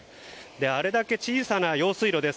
あれだけ小さな用水路です。